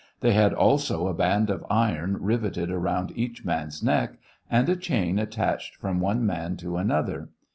They had also a band of iron riveted around each man's neck, and a chain attached from one man to another.